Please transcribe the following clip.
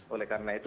oleh karena itu